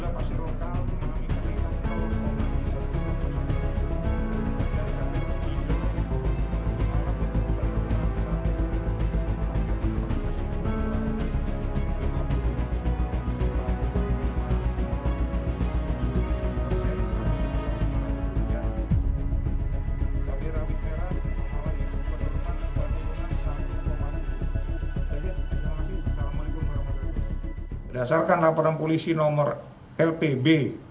berdasarkan laporan polisi nomor lpb